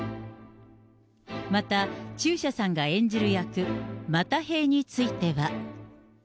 また中車さんが演じる役、又平については。